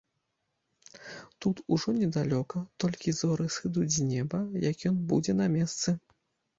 Тут ужо недалёка, толькі зоры сыдуць з неба, як ён будзе на месцы.